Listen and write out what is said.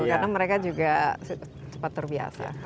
karena mereka juga cepat terbiasa